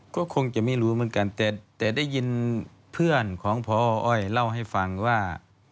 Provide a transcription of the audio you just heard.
ก็คงจะไม่รู้เหมือนกันแต่ได้ยินเพื่อนของพออ้อยเล่าให้ฟังว่า